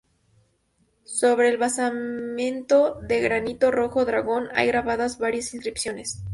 Sobre el basamento de granito rojo dragón hay grabadas varias inscripciones.